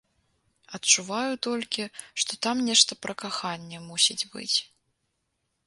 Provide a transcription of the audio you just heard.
Адчуваю толькі, што там нешта пра каханне мусіць быць.